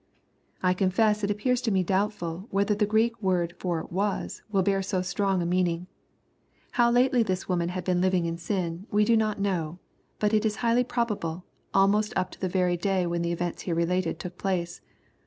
I confess it appears to me doubtful, whether the Greek word for " was," will bear so strong a meaning. How lately this woman had been living in sin, we do not know, but it is highly probable, almost up to the very day when the events here related took place.